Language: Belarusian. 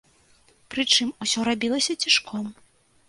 Прычым, усё рабілася цішком.